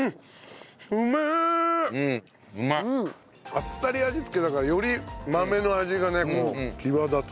あっさり味付けだからより豆の味がね際立つ。